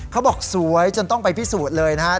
เขาบอกสวยจนต้องไปพิสูจน์เลยนะครับ